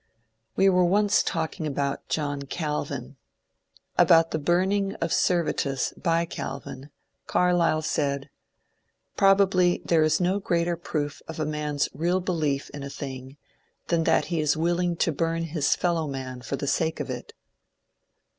We were once talking about John Calvin. About the burning of Ser^ ▼etus by Calvin Carlyle said, " Probably there is no greater proof of a man's real belief in a thing than that he is willing to burn his fellow man for the sake of it."